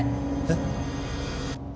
えっ？